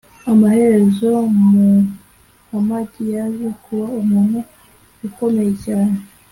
amaherezo muhamadi yaje kuba umuntu ukomeye cyane